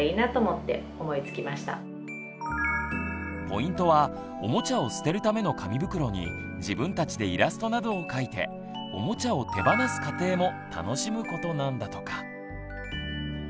ポイントはおもちゃを捨てるための紙袋に自分たちでイラストなどを描いておもちゃを手放す過程も楽しむことなんだとか。